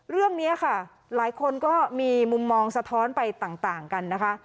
เรื่องนี้ค่ะหลายคนก็มีมุมมองสะท้อนไปต่างกันนะคะ